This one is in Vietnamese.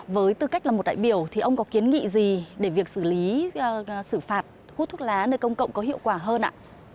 với tư cách là một đại biểu thì ông có kiến nghị gì để việc xử lý xử phạt hút thuốc lá nơi công cộng có hiệu quả hơn ạ